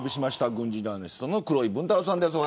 軍事ジャーナリストの黒井文太郎さんです。